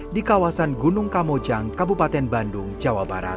di kawasan gunung kamojang kabupaten bandung jawa barat